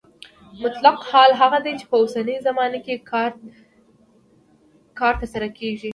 مطلق حال هغه دی چې په اوسنۍ زمانه کې کار ترسره کیږي.